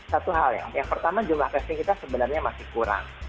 satu hal ya yang pertama jumlah testing kita sebenarnya masih kurang